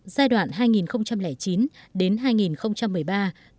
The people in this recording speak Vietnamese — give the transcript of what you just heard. giai đoạn hai nghìn chín đến hai nghìn một mươi ba thời điểm đen tối nhất của nền giáo dục nepal